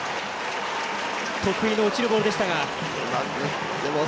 得意の落ちるボールでしたが。